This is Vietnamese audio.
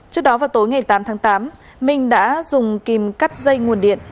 trước đó vào tối ngày tám tháng tám minh đã dùng kìm cắt dây nguồn điện